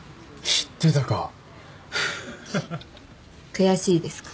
悔しいですか？